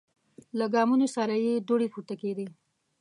له ګامونو سره یې دوړې پورته کیدې.